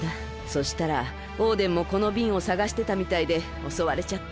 そしたらオーデンもこのびんをさがしてたみたいでおそわれちゃって。